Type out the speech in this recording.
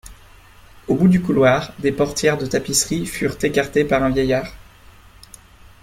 Au bout du couloir, des portières de tapisseries furent écartées par un vieillard.